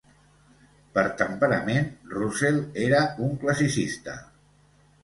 Per temperament, Roussel era un classicista.